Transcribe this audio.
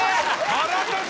腹立つ！